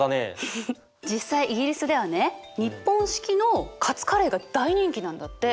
実際イギリスではね日本式のカツカレーが大人気なんだって。